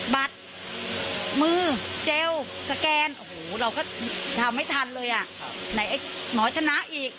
บัตรมือเจลสแกนโอ้โหเราก็ทำไม่ทันเลยอ่ะไหนไอ้หมอชนะอีก